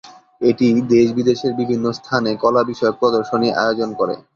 এটি দেশ বিদেশের বিভিন্ন স্থানে কলা বিষয়ক প্রদর্শনী আয়োজন করে।